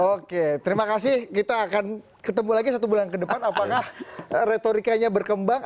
oke terima kasih kita akan ketemu lagi satu bulan ke depan apakah retorikanya berkembang